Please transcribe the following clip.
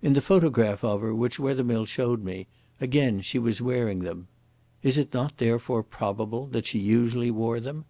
In the photograph of her which Wethermill showed me, again she was wearing them. Is it not, therefore, probable that she usually wore them?